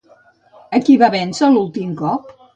A qui va vèncer l'últim cop?